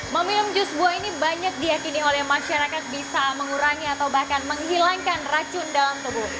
meminum jus buah ini banyak diakini oleh masyarakat bisa mengurangi atau bahkan menghilangkan racun dalam tubuh